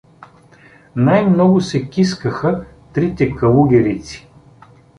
Най-много се кискаха трите калугерици.